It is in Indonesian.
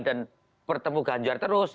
dan bertemu ganjar terus